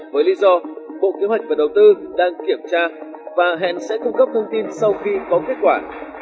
với lý do bộ kế hoạch và đầu tư đang kiểm tra và hèn sẽ cung cấp thông tin sau khi có kết quả